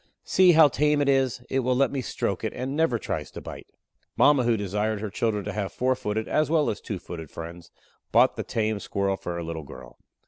See how tame it is. It will let me stroke it, and never tries to bite." Mama, who desired her children to have four footed, as well as two footed friends, bought the tame squirrel for her little girl.